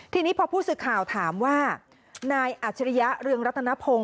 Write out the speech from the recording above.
ทีนี้พอผู้สื่อข่าวถามว่านายอัจฉริยะเรืองรัตนพงศ